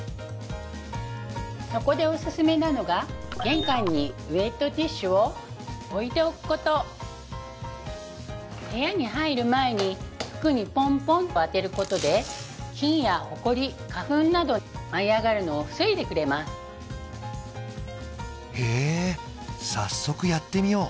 そこでおすすめなのが玄関にウェットティッシュを置いておくこと部屋に入る前に服にポンポンと当てることで菌やほこり花粉など舞い上がるのを防いでくれますへえ早速やってみよう！